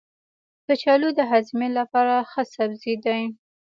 کچالو د هاضمې لپاره ښه سبزی دی.